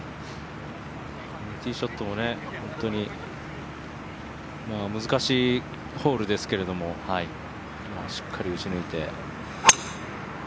ティーショットも本当に難しいホールですけれどもしっかり打ち抜いて。